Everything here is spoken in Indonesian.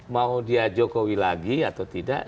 mau dia jokowi lagi atau tidak